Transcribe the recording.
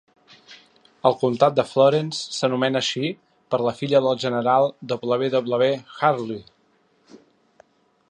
El comtat de Florence s'anomena així per la filla del general W. W. Harllee.